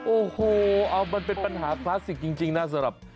โอ้โหเอามันเป็นปัญหาคลาสสิกจริงนะสำหรับ